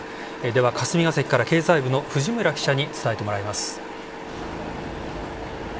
では、霞が関から経済部の藤村記者に伝えてもらいます。